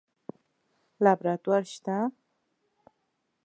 لابراتوار شته؟